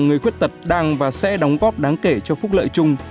người khuyết tật đang và sẽ đóng góp đáng kể cho phúc lợi chung